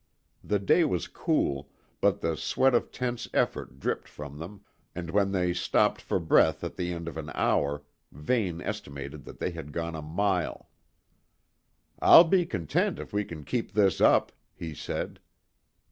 The day was cool, but the sweat of tense effort dripped from them, and when they stopped for breath at the end of an hour, Vane estimated that they had gone a mile. "I'll be content if we can keep this up," he said.